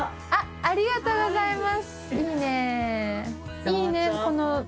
ありがとうございます。